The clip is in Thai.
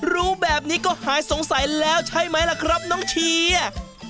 รู้แบบนี้ก็หายสงสัยแล้วใช่ไหมล่ะครับน้องเชียร์